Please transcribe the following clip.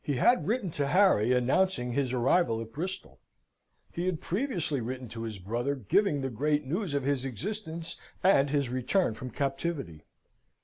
He had written to Harry, announcing his arrival at Bristol. He had previously written to his brother, giving the great news of his existence and his return from captivity.